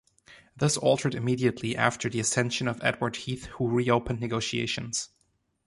This altered immediately after the ascension of Edward Heath, who reopened negotiations.